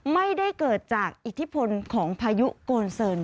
ไม่ได้เกิดจากอิทธิพลของพายุโกนเซิน